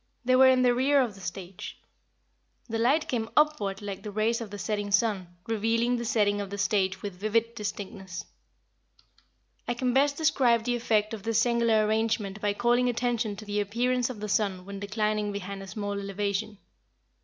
They were in the rear of the stage. The light came upward like the rays of the setting sun, revealing the setting of the stage with vivid distinctness. I can best describe the effect of this singular arrangement by calling attention to the appearance of the sun when declining behind a small elevation.